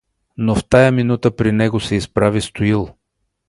Но в тая минута при него се изправи Стоил.